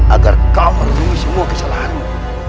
agar kau melindungi semua kesalahanmu